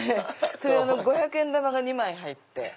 それ五百円玉が２枚入って。